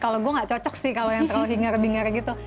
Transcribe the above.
kalau gue gak cocok sih kalau yang terlalu hingar bingar gitu